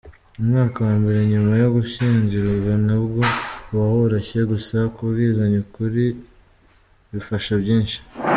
Umwaka wa mbere nyuma yo gushyingirwa ntabwo uba woroshye, gusa kubwizanya ukuri bifasha byinshi.